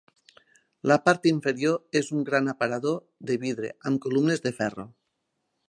La part inferior és un gran aparador de vidre amb columnes de ferro.